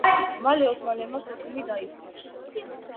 მალე ოსმალებმა სოხუმი დაიბრუნეს.